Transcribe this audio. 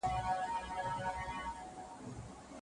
پرمختګ په بشري ټولنو کي طبیعي دی.